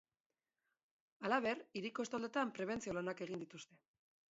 Halaber, hiriko estoldetan prebentzio lanak egin dituzte.